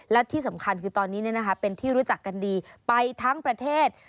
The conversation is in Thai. และที่สำคัญคือตอนนี้เป็นที่รู้จักกันดีไปทั้งประเทศ